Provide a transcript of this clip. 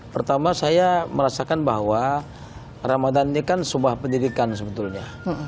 pertama saya merasakan bahwa ramadan ini kan sebuah pendidikan sebetulnya